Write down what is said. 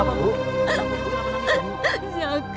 membawa beliau ke tempat apa bayang